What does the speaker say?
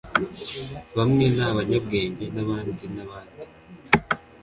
bamwe ni banyabwenge nabandi bandi